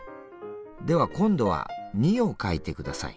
では今度は２を書いて下さい。